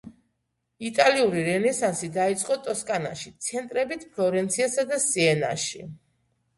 იტალიური რენესანსი დაიწყო ტოსკანაში, ცენტრებით ფლორენციასა და სიენაში.